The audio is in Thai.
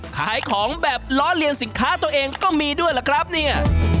ขายของแบบล้อเลียนสินค้าตัวเองก็มีด้วยล่ะครับเนี่ย